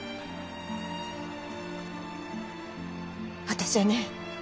私はね